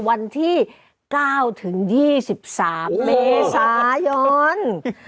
วันที่๙ถึง๒๓เมษายน